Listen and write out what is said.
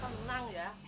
tenang tenang ya